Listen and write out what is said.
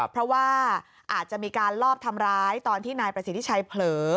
เพราะว่าอาจจะมีการลอบทำร้ายตอนที่นายประสิทธิชัยเผลอ